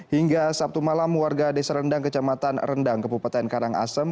hingga sabtu malam warga desa rendang kecamatan rendang kepupaten karangasem